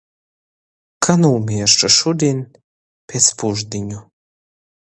Ka nūmieršu šudiņ piec pušdiņu...